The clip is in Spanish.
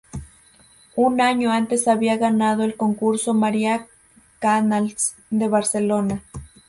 Un año antes había ganado el Concurso María Canals de Barcelona.